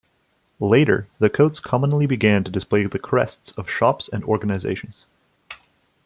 Later, the coats commonly began to display the crests of shops and organizations.